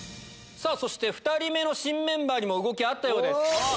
そして２人目の新メンバーにも動きあったようです。